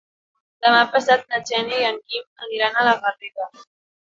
Demà passat na Xènia i en Guim aniran a la Garriga.